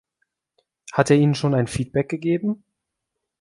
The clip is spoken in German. Hat er Ihnen schon ein Feedback gegeben?